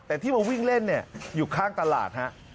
แต่ที่มาวิ่งเล่นเนี่ยอยู่ข้างตลาดฮะ